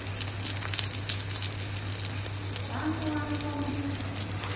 ファン・ホアン・フォン・トゥさんです。